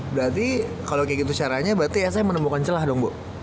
berarti kalau kayak gitu caranya berarti saya menemukan celah dong bu